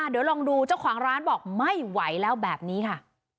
เดี๋ยวลองดูเจ้าของร้านบอกไม่ไหวแล้วแบบนี้ค่ะ